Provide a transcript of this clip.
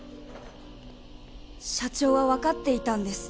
社長はわかっていたんです。